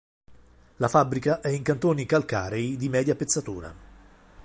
La fabbrica è in cantoni calcarei di media pezzatura.